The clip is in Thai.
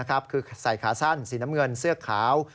คือใส่ขาสั้นสีน้ำเงินเสื้อขาว